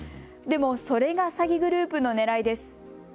でも、それが詐欺グループのねらいです。